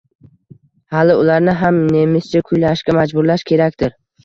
Hali ularni ham nemischa kuylashga majburlash kerakdir